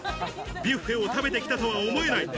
ビュッフェを食べてきたと思えない。